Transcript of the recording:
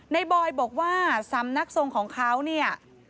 บอยบอกว่าสำนักทรงของเขาเนี่ย